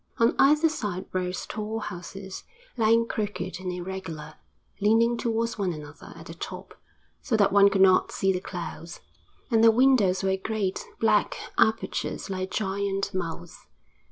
On either side rose tall houses, lying crooked and irregular, leaning towards one another at the top, so that one could not see the clouds, and their windows were great, black apertures like giant mouths.